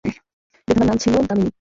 বিধবার নাম ছিল দামিনী।